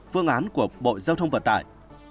phương án của bộ giao thông vận tải